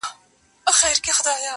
چي لیدلی مي په کومه ورځ کابل دی,